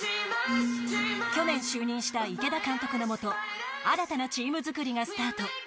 去年、就任した池田監督のもと新たなチーム作りがスタート。